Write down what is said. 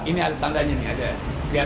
ini ada tandanya nih